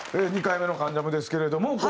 ２回目の『関ジャム』ですけれども。